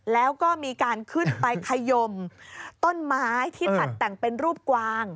แล้วก็มีการขึ้นไปขยมต้นไม้ที่ตัดแต่งเป็นรูปกวาง